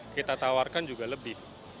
kita tawarkan juga lebih